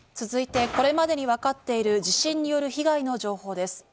続いて、これまでに分かっている地震による被害の情報です。